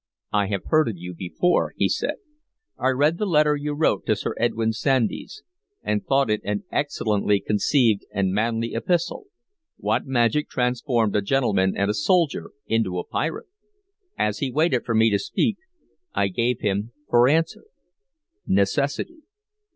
"I have heard of you before," he said. "I read the letter you wrote to Sir Edwyn Sandys, and thought it an excellently conceived and manly epistle. What magic transformed a gentleman and a soldier into a pirate?" As he waited for me to speak, I gave him for answer, "Necessity."